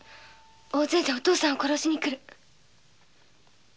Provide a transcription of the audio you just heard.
大勢でお父さんを殺しに来る。